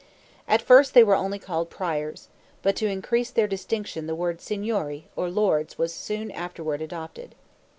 At first they were only called Priors, but to increase their distinction the word signori, or lords, was soon afterward adopted.